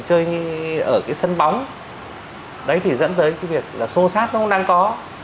cái sân bóng đấy thì dẫn tới cái việc là xô xát nó cũng đang có